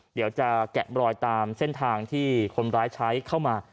เดี๋ยวจะแกะบรอยตามเส้นทางที่คนร้ายใช้เข้ามา